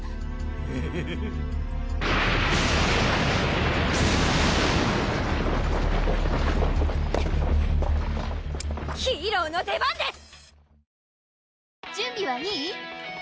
フフフフヒーローの出番です！